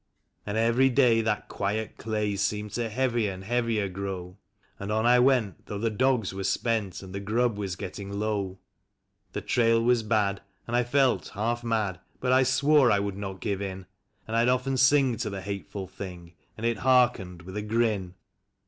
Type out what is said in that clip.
And every day that quiet clay seemed to heavy and heavier grow; And on I went, though the dogs were spent and the grub was getting low; The trail was bad, and I felt half mad, but I swore I would not give in; And I'd often sing to the hateful thing, and it heark ened with a grin.